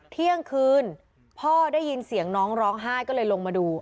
เที่ยงคืนพ่อได้ยินเสียงน้องร้องไห้ก็เลยลงมาดู